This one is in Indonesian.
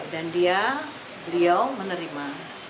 dan dia beliau menerima